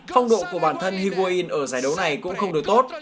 phong độ của bản thân higuain ở giải đấu này cũng không được tốt